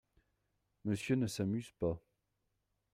Monsieur ne s’amuse pas !